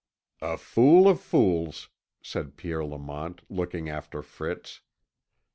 "A fool of fools," said Pierre Lamont, looking after Fritz.